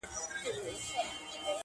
او هغه خړ انځور!!